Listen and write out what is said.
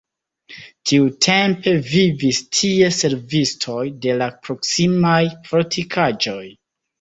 Tiutempe vivis tie servistoj de la proksimaj fortikaĵoj.